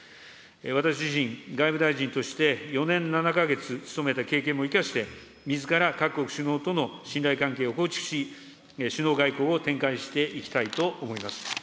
私自身、外務大臣として４年７か月務めた経験も生かして、みずから各国首脳との信頼関係を構築し、首脳外交を展開していきたいと思います。